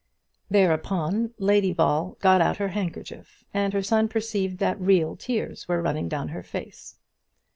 Thereupon Lady Ball got out her handkerchief, and her son perceived that real tears were running down her face.